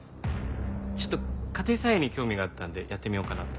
ちょっと家庭菜園に興味があったんでやってみようかなって。